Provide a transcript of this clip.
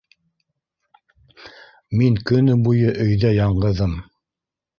Мин көнө буйы өйҙә яңғыҙым.